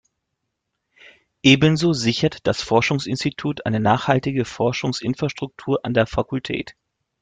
Ebenso sichert das Forschungsinstitut eine nachhaltige Forschungsinfrastruktur an der Fakultät.